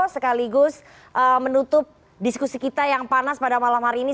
sekaligus menutup diskusi kita yang panas pada malam hari ini